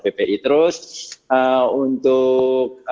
ppi terus untuk